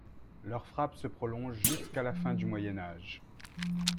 Leur frappe se prolonge jusqu'à la fin du Moyen Âge.